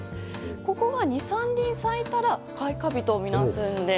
ここが２３輪咲いた日を開花日とみなします。